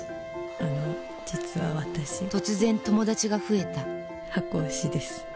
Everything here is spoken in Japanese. あの実は私突然友達が増えた箱推しです。